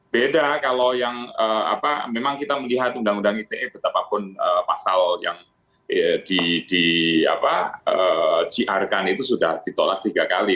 beda kalau yang memang kita melihat undang undang ite betapapun pasal yang disiarkan itu sudah ditolak tiga kali